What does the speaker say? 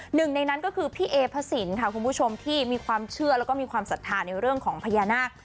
หนึ่งในนั้นก็คือพี่เอพระสินค่ะคุณผู้ชมที่มีความเชื่อแล้วก็มีความศรัทธาในเรื่องของพญานาค